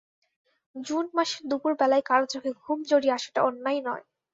June মাসের দুপুরবেলায় কারো চোখে ঘুম জড়িয়ে আসাটা অন্যায় নয়।